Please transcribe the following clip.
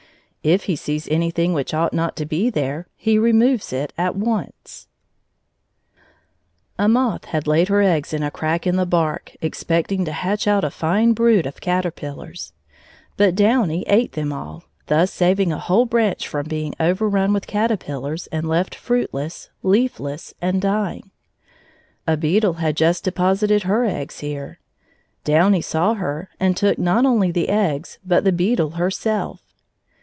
If he sees anything which ought not to be there, he removes it at once. A moth had laid her eggs in a crack in the bark, expecting to hatch out a fine brood of caterpillars: but Downy ate them all, thus saving a whole branch from being overrun with caterpillars and left fruitless, leafless, and dying. A beetle had just deposited her eggs here. Downy saw her, and took not only the eggs but the beetle herself.